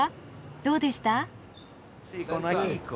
どうでした？